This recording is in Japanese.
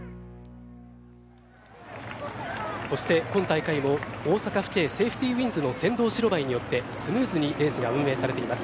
そして今大会も大阪府警セーフティウインズの先導白バイによってスムーズにレースが運営されています。